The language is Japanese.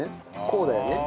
こうだよね？